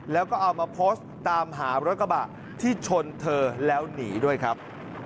แล้วก็เอามาโพสต์ตามหารถกระบะที่ชนเธอแล้วหนีด้วยครับ